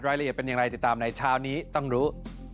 รายละเอียดเป็นอย่างไรติดตามในเช้านี้ต้องรู้